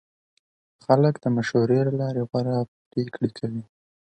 خلک د مشورې له لارې غوره پرېکړې کوي